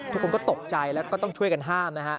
ทุกคนก็ตกใจแล้วก็ต้องช่วยกันห้ามนะฮะ